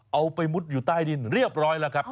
เอาไปมุดอยู่ใต้ดินเรียบร้อยแล้วครับ